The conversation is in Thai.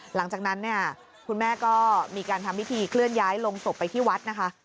หลังจากนั้นเนี่ยคุณแม่ก็มีการทำพิธีเคลื่อนย้ายลงศพไปที่วัดนะคะ